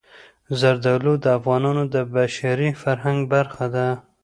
زردالو د افغانستان د بشري فرهنګ برخه ده.